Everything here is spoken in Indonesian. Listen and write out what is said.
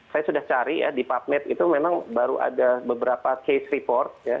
saya sudah cari ya di pubmed itu memang baru ada beberapa case report ya